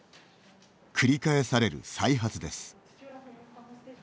繰り返される再発です。